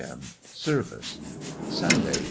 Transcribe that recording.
m. Service. Sunday.